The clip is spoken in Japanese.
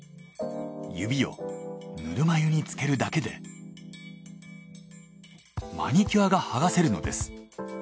指をぬるま湯につけるだけでマニキュアがはがせるのです。